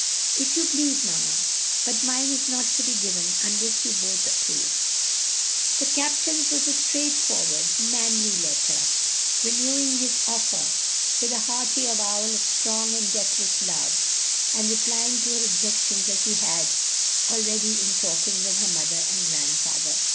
"If you please, mamma. But mine is not to be given unless you both approve." The captain's was a straightforward, manly letter, renewing his offer with a hearty avowal of strong and deathless love, and replying to her objections as he had already in talking with her mother and grandfather.